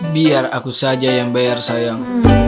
biar aku saja yang bayar sayang